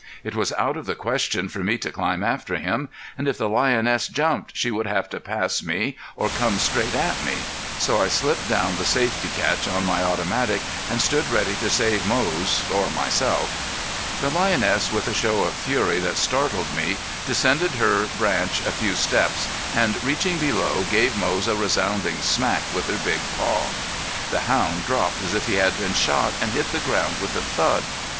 It was out of the question for me to climb after him. And if the lioness jumped she would have to pass me or come straight at me. So I slipped down the safety catch on my automatic and stood ready to save Moze or myself. The lioness with a show of fury that startled me, descended her branch a few steps, and reaching below gave Moze a sounding smack with her big paw. The hound dropped as if he had been shot and hit the ground with a thud.